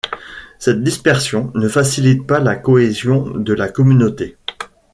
Cette dispersion ne facilite pas la cohésion de la communauté.